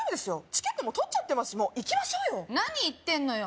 チケットも取っちゃってますしもう行きましょうよ何言ってんのよ